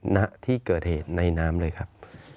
ณที่เกิดเหตุในน้ำเลยครับ